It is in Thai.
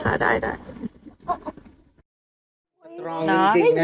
ค่ะไม่เป็นไรค่ะได้ได้